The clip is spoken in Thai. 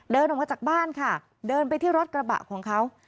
เดินออกมาจากบ้านค่ะเดินไปที่รถกระบะของเขา